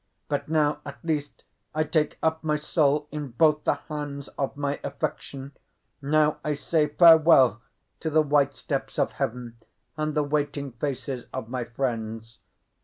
But now, at least, I take up my soul in both the hands of my affection; now I say farewell to the white steps of heaven and the waiting faces of my friends.